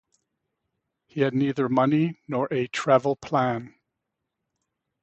He had neither money nor a travel plan.